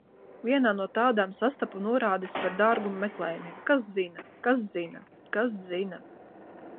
Vienā no tādām sastapu norādes par dārgumu meklējumiem. Kas zina. Kas zina. Kas zina.